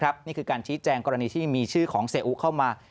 และแจ้งกรณีที่มีชื่อของเซียนอุเข้ามา